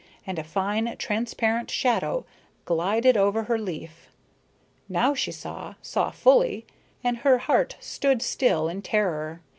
And a fine, transparent shadow glided over her leaf. Now she saw saw fully, and her heart stood still in terror.